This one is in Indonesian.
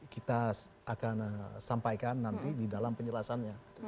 kita akan sampaikan nanti di dalam penjelasannya